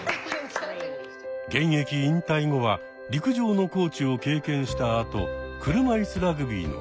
現役引退後は陸上のコーチを経験したあと車いすラグビーの監督に。